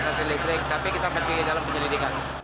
masa terletrik tapi kita masih dalam penyelidikan